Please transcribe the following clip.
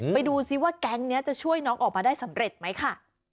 ไปดูซิว่าแก๊งนี้จะช่วยน้องออกมาได้สำเร็จไหมค่ะ